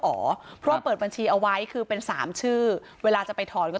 ตำรวจบอกว่าภายในสัปดาห์เนี้ยจะรู้ผลของเครื่องจับเท็จนะคะ